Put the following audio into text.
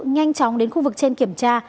nhanh chóng đến khu vực trên kiểm tra